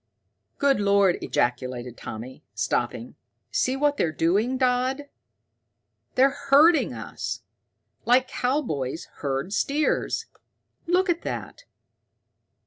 "Good Lord!" ejaculated Tommy, stopping. "See what they're doing, Dodd? They're herding us, like cowboys herd steers. Look at that!"